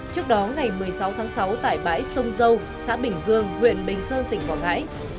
trước đó ngày một mươi sáu tháng sáu tại bãi sông dâu xã bình dương huyện bình sơn tỉnh quảng ngãi